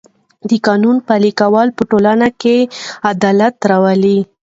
د قانون پلي کول په ټولنه کې عدالت راولي.